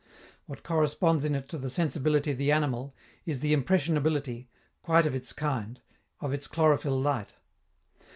What corresponds in it to the sensibility of the animal is the impressionability, quite of its kind, of its chlorophyl light.